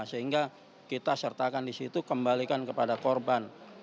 sehingga kita sertakan disitu kembalikan kepada korban